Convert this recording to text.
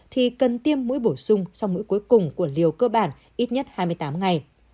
thì cần tiêm mũi bổ sung sau mũi cuối cùng của liều cơ bản ít nhất hai mươi tám ngày